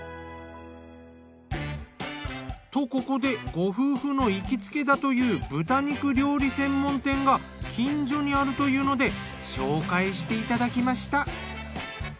とここでご夫婦の行きつけだという豚肉料理専門店が近所にあるというので紹介していただきました。